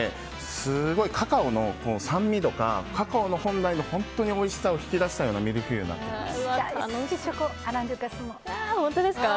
すごいカカオの酸味度がカカオ本来のおいしさを引き出したようなミルフィーユになっています。